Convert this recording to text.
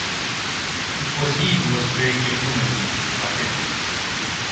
It was he who was very gentlemanly, I think!